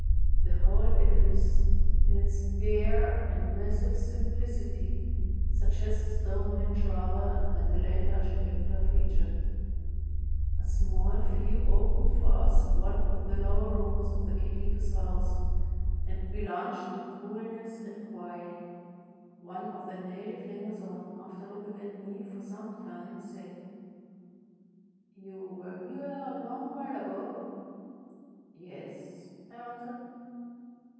The whole edifice, in its bare and massive simplicity, suggests Stonehenge rather than the later architecture of Egypt. A small fee opened for us one of the lower rooms of the Khedive's house, and we lunched in coobiess and quiet. One of the native hangers on, after looking at me for some time, said: — "You were here a long while ago?" "Yes," I answered.